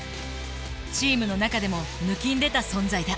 チームの中でもぬきんでた存在だ。